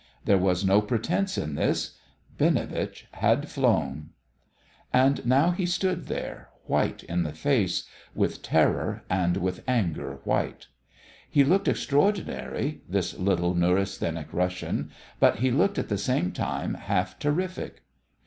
There was no pretence in this: Binovitch had flown. And now he stood there, white in the face with terror and with anger white. He looked extraordinary, this little, neurasthenic Russian, but he looked at the same time half terrific.